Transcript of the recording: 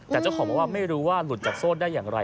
แต่เจ้าของบอกว่าไม่รู้ว่าหลุดจากโซ่ได้อย่างไร